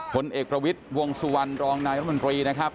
ผลเอกประวิทย์วงสุวรรณรองนายรัฐมนตรีนะครับ